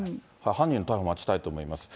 犯人の逮捕、待ちたいと思います。